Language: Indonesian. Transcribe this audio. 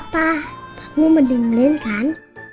pakmu mendingin kan